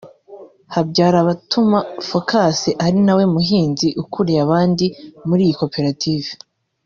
Habyarabatuma Phocas ari nawe muhinzi ukuriye abandi muri iyi koperative